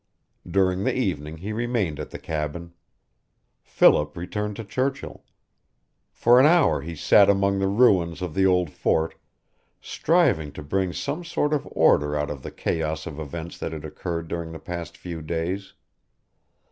During the evening he remained at the cabin. Philip returned to Churchill. For an hour he sat among the ruins of the old fort, striving to bring some sort of order out of the chaos of events that had occurred during the past few days.